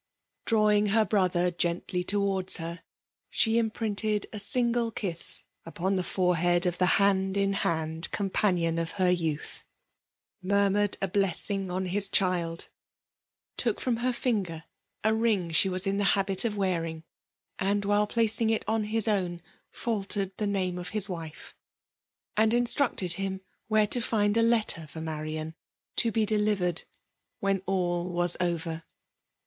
Drawing her brother gently towards her, she imprinted a single kiss upon the forehead of the hand inhand companion of her youth, murmured a blessing on his child, took from her finger a ring she was in the habit of wearing, and while placing it on his own, faltered the name of his wife, and instructed him where to find a letter for Marian^ to be delivered " when all was over."